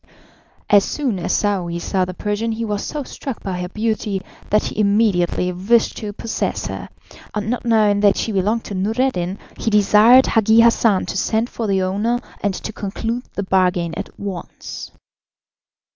As soon as Saouy saw the Persian he was so struck by her beauty, that he immediately wished to possess her, and not knowing that she belonged to Noureddin, he desired Hagi Hassan to send for the owner and to conclude the bargain at once.